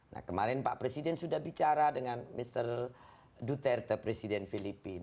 nah kemarin pak presiden sudah bicara dengan mr duterte presiden filipina